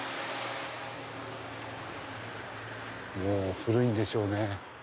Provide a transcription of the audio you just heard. もう古いんでしょうね。